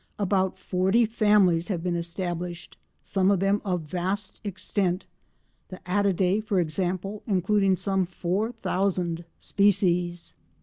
About forty families have been established, some of them of vast extent, the Attidae, for example, including some four thousand species.